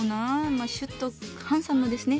まあシュッとハンサムですね。